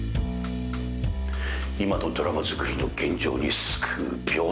今のドラマ作りの現状に巣くう病巣。